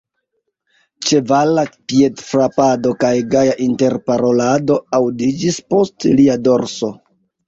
Ĉevala piedfrapado kaj gaja interparolado aŭdiĝis post lia dorso.